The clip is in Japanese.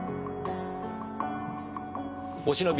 お忍び